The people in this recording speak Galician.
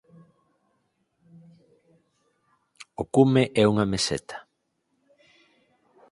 O cume é unha meseta.